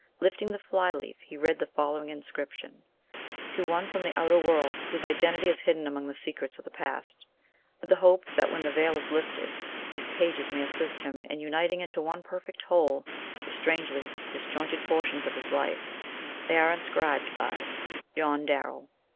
Lifting the fly leaf, he read the following inscription: "To one from the outer world, whose identity is hidden among the secrets of the past: "With the hope that when the veil is lifted, these pages may assist him in uniting into one perfect whole the strangely disjointed portions of his life, they are inscribed by "JOHN DARRELL."